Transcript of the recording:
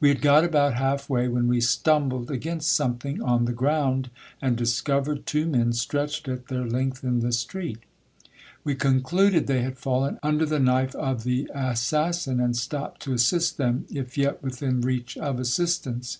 We had got about half way, when we stumbled against something on the ground, and discovered two men stretched at their length in the street. We concluded they had fallen under the knife of the assassin, and stopped to assist them, if yet within reach of assistance.